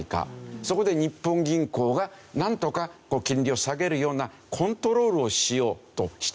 そこで日本銀行がなんとか金利を下げるようなコントロールをしようとしているんですね。